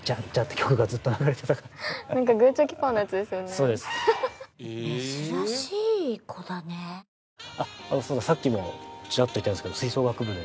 そうださっきもチラッと言ったんですけど吹奏楽部で？